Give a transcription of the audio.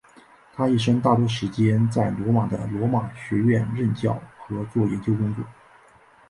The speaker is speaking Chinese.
他一生大多数时间在罗马的罗马学院任教和做研究工作。